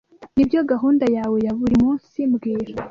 Nibyo gahunda yawe ya buri munsi mbwira